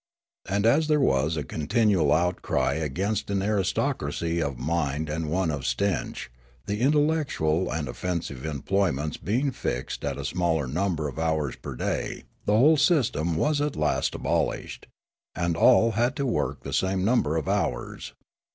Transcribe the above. And as there was a continual outcry against an aristocracy of mind and one of stench, the intellectual and offensive employments being fixed at a smaller number of hours per day, the whole system was at last abolished, and all had to work the same number of hours.